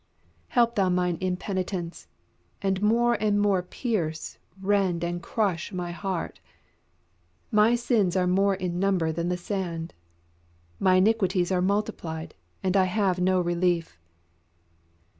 Help Thou mine impenitence, and more and more pierce, rend, and crush my heart. My sins are more in number than the sand. My iniquities are multiplied, and I have no relief."